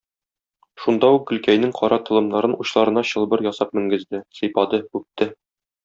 Шунда ук Гөлкәйнең кара толымнарын учларына чылбыр ясап менгезде, сыйпады, үпте.